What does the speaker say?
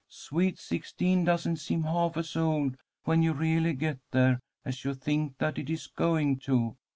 Sweet sixteen doesn't seem half as old when you really get there as you think that it is going to.